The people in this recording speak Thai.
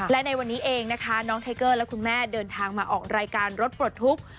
และในวันนี้เองนะคะน้องไทเกอร์และคุณแม่เดินทางมาออกรายการรถปลดทุกข์